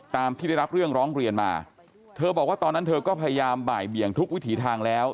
ตามที่ได้รับเรื่องร้องเรียนมาเธอบอกว่าตอนนั้นเธอก็พยายามบ่ายเบี่ยงทุกวิถีทางแล้ว